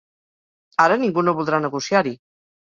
Ara ningú no voldrà negociar-hi.